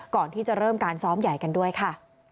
ก่อนที่จะเริ่มการซ้อมใหญ่กันด้วยค่ะ